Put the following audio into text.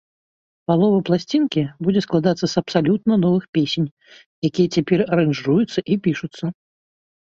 Палова пласцінкі будзе складацца з абсалютна новых песень, якія цяпер аранжыруюцца і пішуцца.